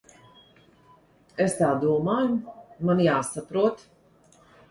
Es tā domāju. Man jāsaprot.